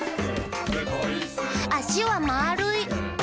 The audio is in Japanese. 「あしはまるい！」